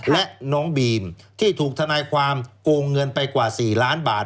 และน้องบีมที่ถูกทนายความโกงเงินไปกว่า๔ล้านบาท